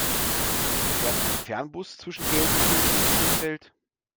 Fährt ein Fernbus zwischen Gelsenkirchen und Krefeld?